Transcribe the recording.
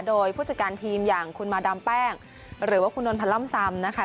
โดยผู้จัดการทีมอย่างคุณมาดามแป้งหรือว่าคุณนนทล่ำซำนะคะ